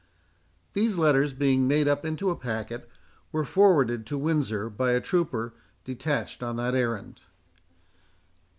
These letters being made up into a packet, were forwarded to Windsor by a trooper, detached on that errand.